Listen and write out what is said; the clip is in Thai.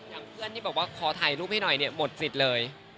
เพื่อนที่บอกว่าขอถ่ายรูปให้หน่อยเนี่ยหมดสิทธิ์เลย